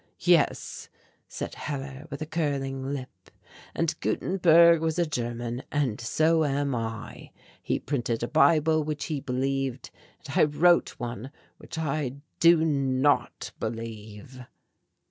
"Yes," said Hellar with a curling lip, "and Gutenberg was a German, and so am I. He printed a Bible which he believed, and I wrote one which I do not believe."